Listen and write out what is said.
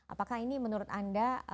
apakah ini menurut anda